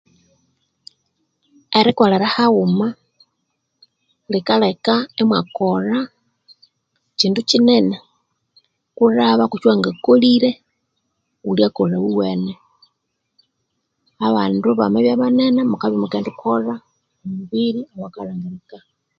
Erikolera haghuma likaleka imwakolha kyindu kinene kulhaba ekyowangakolire iwuwene Abandu mwamabya banene mukabya imukendikolha omubiri owakalhangirikal